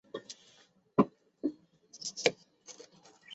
有人宣称阿拉法特和巴勒斯坦民族权力机构预先计划了这次起义。